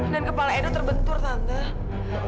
dan kepala edo terbentur tante